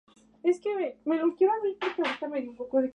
Es uno de los autores de Los protocolos de los sabios de Sion.